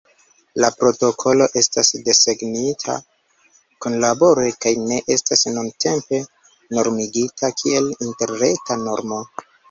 La protokolo estas desegnita kunlabore kaj ne estas nuntempe normigita kiel interreta normo.